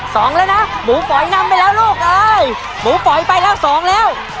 สองแล้วนะหมูป๋อยนำไปแล้วลูกเอ้ยหมูป๋อยไปแล้วสองแล้ว